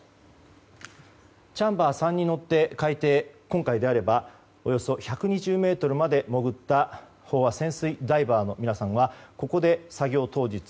チャンバー３に乗って海底今回であればおよそ１２０ｍまで潜った飽和潜水ダイバーの皆さんはここで作業当日。